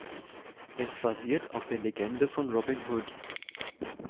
Es basiert auf der Legende von Robin Hood.